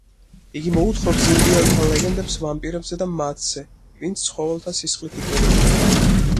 იგი მოუთხრობს ინდიელთა ლეგენდებს ვამპირებზე და მათზე, ვინც ცხოველთა სისხლით იკვებება.